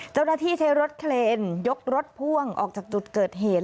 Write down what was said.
เจ้าหน้าที่ใช้รถเคลนยกรถพ่วงออกจากจุดเกิดเหตุ